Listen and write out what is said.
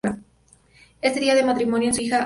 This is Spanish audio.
Este dio en matrimonio a su hija al kan.